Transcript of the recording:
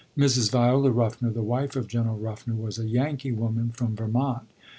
Mrs. Viola Ruffner, the wife of General Ruffner, was a "Yankee" woman from Vermont.